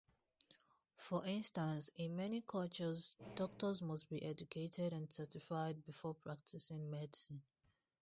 For instance, in many cultures doctors must be educated and certified before practising medicine.